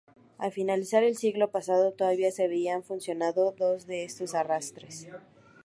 Al finalizar el siglo pasado todavía se veían funcionando dos de estos arrastres.